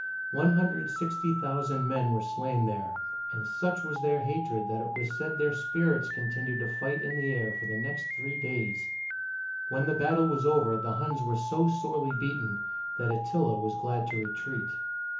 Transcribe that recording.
One hundred and sixty thousand men were slain there, and such was their hatred that it was said their spirits continued to fight in the air for the next three days! When the battle was over, the Huns were so sorely beaten that Attila was glad to retreat.